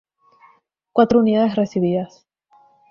Cuatro unidades recibidas.